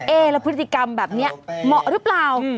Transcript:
แล้วพฤติกรรมแบบนี้เหมาะหรือเปล่า